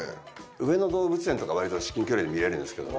上野動物園とか割と至近距離で見れるんですけど。